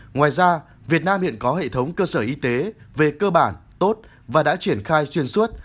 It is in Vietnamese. ngoài ra việt nam hiện có hệ thống cơ sở y tế về cơ bản tốt và đã triển khai xuyên suốt